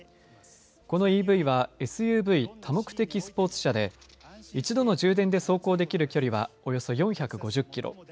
このＥＶはＳＵＶ多目的スポーツ車で一度の充電で走行できる距離はおよそ４５０キロ。